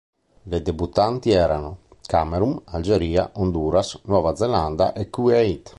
Le debuttanti erano: Camerun, Algeria, Honduras, Nuova Zelanda e Kuwait.